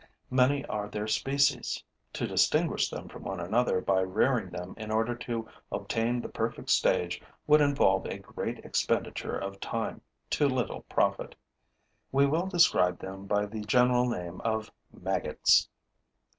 Many are their species. To distinguish them from one another by rearing them in order to obtain the perfect stage would involve a great expenditure of time to little profit. We will describe them by the general name of maggots.